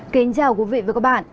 kính chào quý vị và các bạn